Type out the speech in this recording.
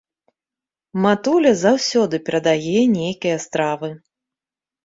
Матуля заўсёды перадае нейкія стравы.